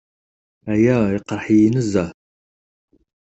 Aya iqerreḥ-iyi nezzeh.